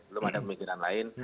belum ada pemikiran lain